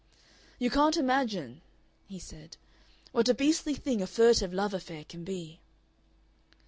"You can't imagine," he said, "what a beastly thing a furtive love affair can be.